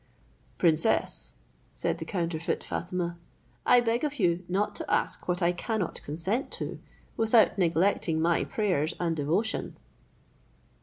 "Princess," said the counterfeit Fatima, "I beg of you not to ask what I cannot consent to, without neglecting my prayers and devotion."